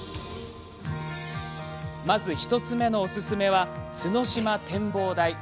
まず１つ目のおすすめは角島展望台。